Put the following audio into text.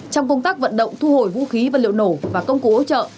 trong công tác vận động thu hồi vũ khí vật liệu nổ và công cụ hỗ trợ